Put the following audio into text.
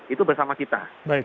itu bersama kita